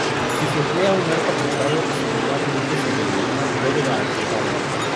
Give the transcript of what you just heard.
Si se emplea un arco apuntado similarmente se denomina "bóveda apuntada".